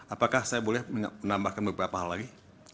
apakah saya boleh menambahkan beberapa hal lagi